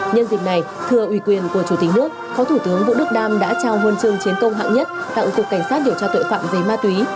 nhân dịp này thưa ủy quyền của chủ tịch nước phó thủ tướng vũ đức đam đã trao huân trường chiến công hạng nhất tặng cục cảnh sát điều tra tội phạm về ma túy